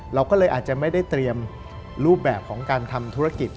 เราก็เลยอาจจะไม่ได้เตรียมรูปแบบของการทำธุรกิจ